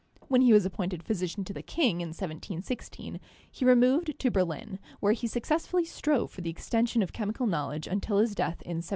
When he was appointed physician to the king in 1716, he removed to Berlin, where he successfully strove for the extension of chemical knowledge until his death in 1734.